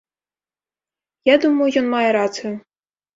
Я думаю, ён мае рацыю.